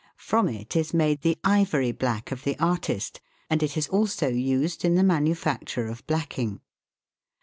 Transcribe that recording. From it is made the " ivory black " of the artist, and it is also used in the manufacture of blacking.